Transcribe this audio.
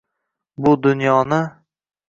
Bu dunyoni